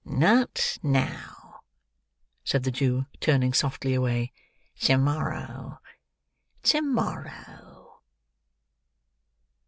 "Not now," said the Jew, turning softly away. "To morrow. To morrow."